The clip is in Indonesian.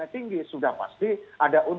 betul ini kan soal kebijakan